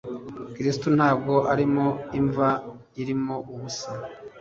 Kristo ntabwo arimo, imva irimo ubusa.